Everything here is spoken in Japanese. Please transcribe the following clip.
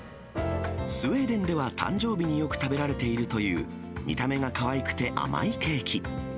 スウェーデンでは誕生日によく食べられているという、見た目がかわいくて甘いケーキ。